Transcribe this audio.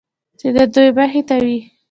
چې د ده مخې ته وي.